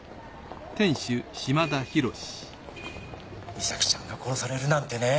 美咲ちゃんが殺されるなんてね。